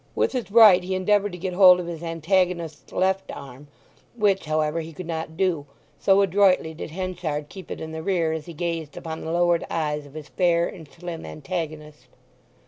With his right he endeavoured to get hold of his antagonist's left arm, which, however, he could not do, so adroitly did Henchard keep it in the rear as he gazed upon the lowered eyes of his fair and slim antagonist.